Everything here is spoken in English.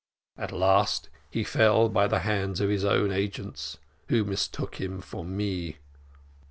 At last he fell by the hands of his own agents, who mistook him for me.